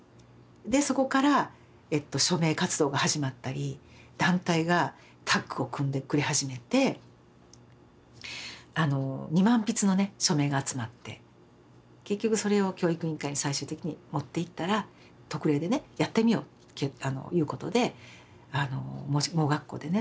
でそこから署名活動が始まったり団体がタッグを組んでくれ始めてあの２万筆のね署名が集まって結局それを教育委員会に最終的に持っていったら特例でねやってみようということで盲学校でね